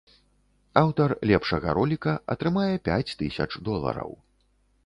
Аўтар лепшага роліка атрымае пяць тысяч долараў.